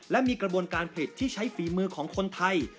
และมีกระบวนการผลิตที่ใช้ฝีมือของคนไทย